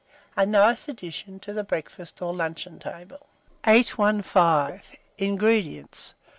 (A nice addition to the Breakfast or Luncheon table.) 815. INGREDIENTS.